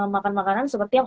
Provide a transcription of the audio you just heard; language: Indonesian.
makan makan seperti yang